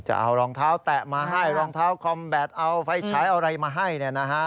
จะเอารองเท้าแตะมาให้รองเท้าคอมแบตเอาไฟฉายเอาอะไรมาให้